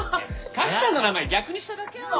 賀来さんの名前逆にしただけやろ？